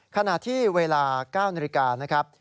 ขณะที่เวลา๙นาฬิกานะครับ